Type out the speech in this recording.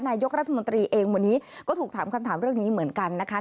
นายกรัฐมนตรีเองวันนี้ก็ถูกถามคำถามเรื่องนี้เหมือนกันนะคะ